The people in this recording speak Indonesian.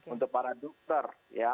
untuk para dokter